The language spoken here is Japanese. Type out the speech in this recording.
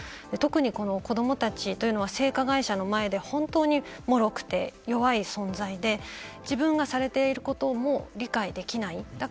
特に、この子どもたちというのは性加害者の前で本当に、もろくて弱い存在で自分がされていることも理解できない。